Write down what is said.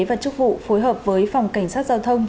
và chức vụ phối hợp với phòng cảnh sát giao thông